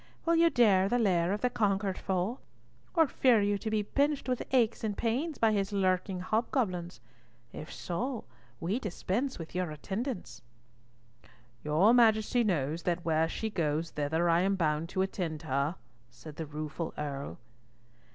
"Will you dare the lair of the conquered foe, or fear you to be pinched with aches and pains by his lurking hobgoblins? If so, we dispense with your attendance." "Your Majesty knows that where she goes thither I am bound to attend her," said the rueful Earl.